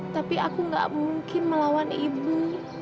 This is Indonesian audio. tapi aku gak mungkin melawan ibu